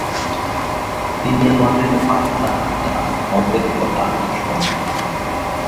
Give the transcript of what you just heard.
তিনি আমাদের আত্মার আত্মা, আমাদের যথার্থ স্বরূপ।